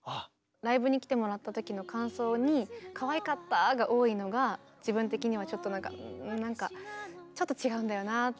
ライブに来てもらった時の感想に「かわいかった」が多いのが自分的にはちょっとなんかなんかちょっと違うんだよなってなるほど。